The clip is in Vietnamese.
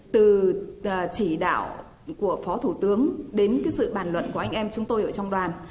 từ chỉ đạo của phó thủ tướng đến sự bàn luận của anh em chúng tôi ở trong đoàn